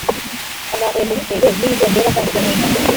amahwemo bitewe n ibyo ndeba cyangwa ibyo numva